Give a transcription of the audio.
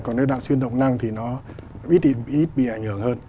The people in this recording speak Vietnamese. còn cái đạn xuyên động năng thì nó ít bị ảnh hưởng hơn